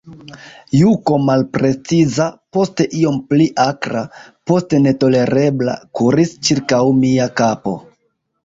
Juko malpreciza, poste iom pli akra, poste netolerebla, kuris ĉirkaŭ mia kapo.